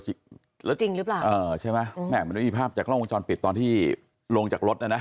จริงหรือเปล่าเออใช่ไหมมันมีภาพจากกล้องวงจรปิดตอนที่ลงจากรถนะ